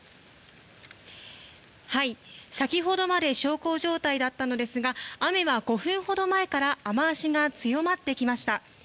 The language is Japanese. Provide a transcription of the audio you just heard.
先ほどまで小康状態だったのですが雨は５分ほど前から雨脚が強まってきました。